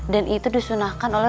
dan itu disunahkan oleh